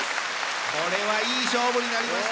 これはいい勝負になりました。